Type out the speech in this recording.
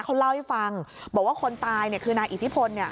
เขาเล่าให้ฟังบอกว่าคนตายคือนายอิทธิพล